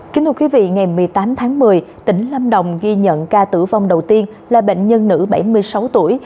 kính thưa quý vị ngày một mươi tám tháng một mươi tỉnh lâm đồng ghi nhận ca tử vong đầu tiên là bệnh nhân nữ bảy mươi sáu tuổi